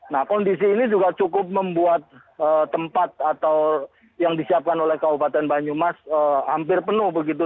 nah kondisi ini juga cukup membuat tempat atau yang disiapkan oleh kabupaten banyumas hampir penuh begitu